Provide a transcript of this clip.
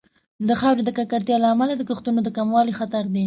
د خاورې د ککړتیا له امله د کښتونو د کموالي خطر دی.